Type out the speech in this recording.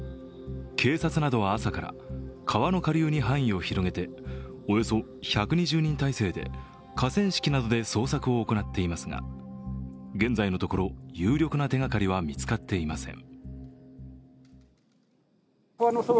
警察などは朝から川の下流に範囲を広げておよそ１２０人態勢で河川敷などで捜索を行っていますが現在のところ、有力な手がかりは見つかっていません。